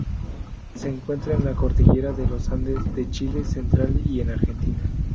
Se encuentra en la Cordillera de los Andes de Chile Central y en Argentina.